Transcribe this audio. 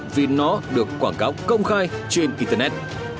vì nó được quảng cáo công khai trên internet